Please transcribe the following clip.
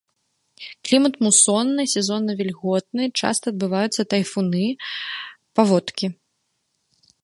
Клімат мусонны, сезонна-вільготны, часта адбываюцца тайфуны, паводкі.